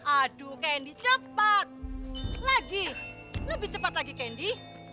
aduh candy cepat lagi lebih cepat lagi candy